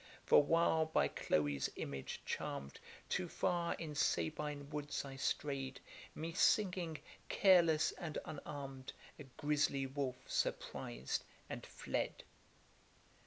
For while by Chloe's image charm'd, Too far in Sabine woods I stray'd; Me singing, careless and unarm'd, A grizly wolf surprised, and fled.